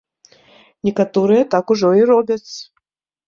Некаторыя так ужо і робяць.